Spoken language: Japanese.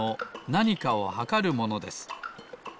なにかをはかるものです。